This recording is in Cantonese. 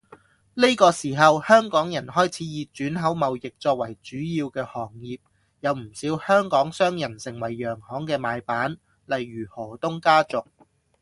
呢個時候香港人開始以轉口貿易作為主要嘅行業，有唔少香港商人成為洋行嘅買辦，例如何東家族